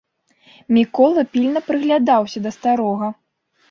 Мікола пільна прыглядаўся да старога.